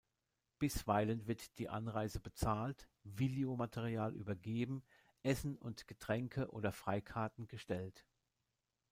Bisweilen wird die Anreise bezahlt, Videomaterial übergeben, Essen und Getränke oder Freikarten gestellt.